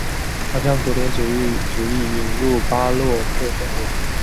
他将古典主义引入巴洛克风格。